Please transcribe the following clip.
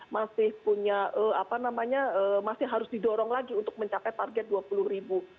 jadi punya apa namanya masih harus didorong lagi untuk mencapai target dua puluh ribu